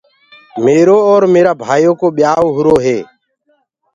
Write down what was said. ميرو اور ميرآ ڀآئيو ڪو ٻيائوٚ هُرو هي۔